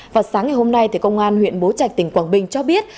vào sáng ngày hôm nay công an huyện bố trạch tỉnh quảng bình cho biết